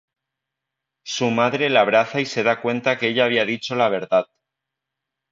Su madre la abraza y se da cuenta que ella había dicho la verdad.